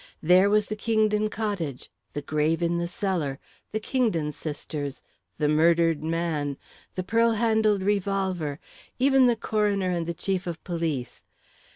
There was the Kingdon cottage, the grave in the cellar, the Kingdon sisters, the murdered man, the pearl handled revolver even the coroner and the chief of police.